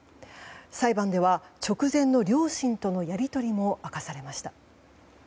裁判では、直前の両親とのやり取りも明かされました。